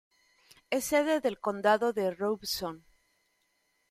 Es sede del condado de Robeson.